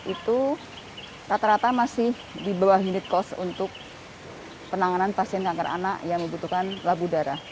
itu rata rata masih di bawah unit cost untuk penanganan pasien kanker anak yang membutuhkan labu darah